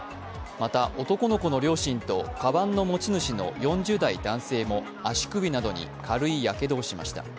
また、男の子の両親とかばんの持ち主の４０代男性も足首などに軽いやけどをしました。